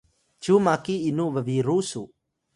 cyu maki inu bbiru su?